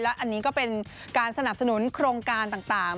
อันนี้ก็เป็นการสนับสนุนโครงการต่าง